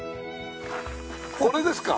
これですか？